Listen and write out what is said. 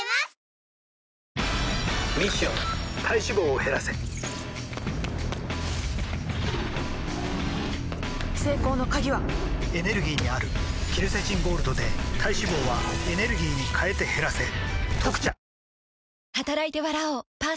ミッション体脂肪を減らせ成功の鍵はエネルギーにあるケルセチンゴールドで体脂肪はエネルギーに変えて減らせ「特茶」